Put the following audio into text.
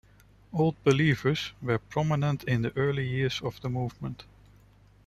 Old Believers were prominent in the early years of the movement.